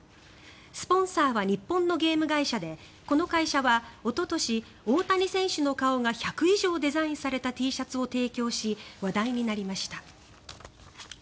スポンサーは日本のゲーム会社でこの会社はおととし大谷選手の顔が１００以上デザインされたＴシャツを提供し話題になりました。